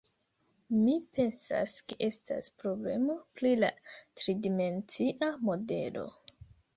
Mi pensas, ke estas problemo pri la tridimencia modelo.